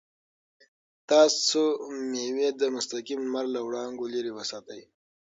تاسو مېوې د مستقیم لمر له وړانګو لرې وساتئ.